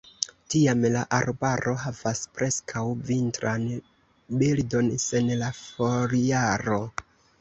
Tiam la arbaro havas preskaŭ vintran bildon sen la foliaro.